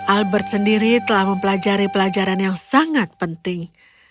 albert sendiri telah mempelajari pelajaran yang sangat penting